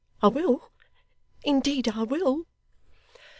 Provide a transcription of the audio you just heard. I will: indeed I will!